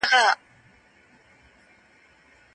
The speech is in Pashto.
دوهم قول.